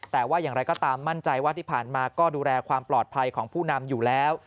แต่ว่าอย่างไรก็ตามมั่นใจว่าที่ผ่านมาก็ดูแลความปลอดภัยของผู้นำอยู่แล้ว